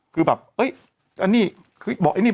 คือแบบเอ๊ะอันนี้